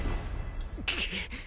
くっ。